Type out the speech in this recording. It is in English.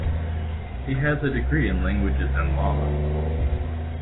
He has a degree in Languages and Law.